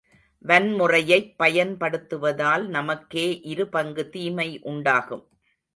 வன்முறையைப் பயன்படுத்துவதால் நமக்கே இரு பங்கு தீமை உண்டாகும்.